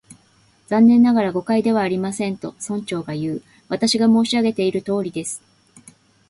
「残念ながら、誤解ではありません」と、村長がいう。「私が申し上げているとおりです」